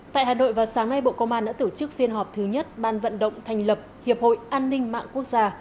tại hà nội vào sáng nay bộ công an đã tổ chức phiên họp thứ nhất ban vận động thành lập hiệp hội an ninh mạng quốc gia